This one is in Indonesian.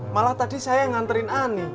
malah tadi saya yang nganterin ani